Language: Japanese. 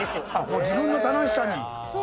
もう自分の楽しさに。